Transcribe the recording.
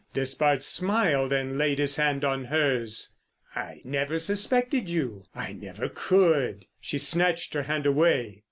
Despard smiled and laid his hand on hers. "I never suspected you. I never could!" She snatched her hand away.